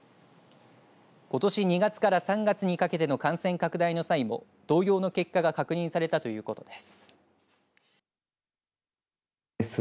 ことし２月から３月にかけての感染拡大の際も同様の結果が確認されたということです。